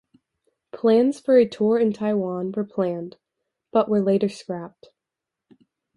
Plans for a tour in Taiwan were planned, but were later scrapped.